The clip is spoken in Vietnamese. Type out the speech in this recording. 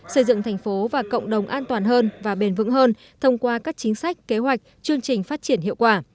xây dựng thành phố và cộng đồng an toàn hơn và bền vững hơn thông qua các chính sách kế hoạch chương trình phát triển hiệu quả